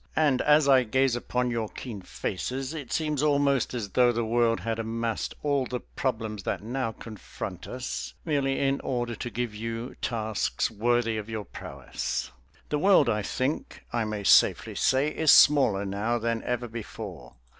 And as I gaze upon your keen faces it seems almost as though the world had amassed all the problems that now confront us merely in order to give you tasks worthy of your prowess. The world, I think I may safely say, is smaller now than ever before.